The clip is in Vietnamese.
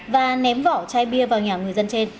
và ném vỏ chai bia